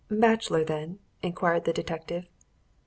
"Bachelor, then?" inquired the detective.